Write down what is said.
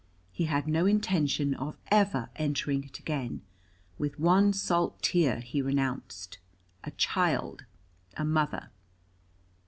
He had no intention of ever entering it again. With one salt tear he renounced a child, a mother.